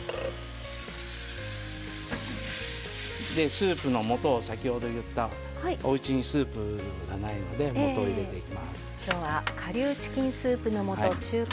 スープの素を先ほど言ったおうちにスープがないので素を入れていきます。